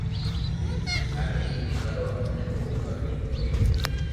لاگي ايم ھي ڪرو اموني تو خبر ھي ڪوئي